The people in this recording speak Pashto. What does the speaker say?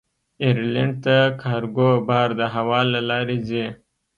ایرلنډ ته کارګو بار د هوا له لارې ځي.